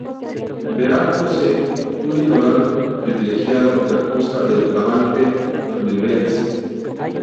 Vera posee un litoral privilegiado en la Costa del Levante Almeriense.